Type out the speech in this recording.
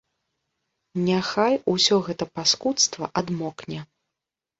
Няхай усё гэта паскудства адмокне.